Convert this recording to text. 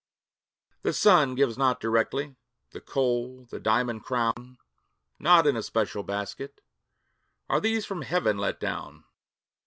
The sun gives not directly The coal, the diamond crown; Not in a special basket Are these from Heaven let down.